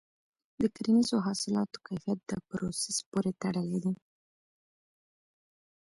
د کرنیزو حاصلاتو کیفیت د پروسس پورې تړلی دی.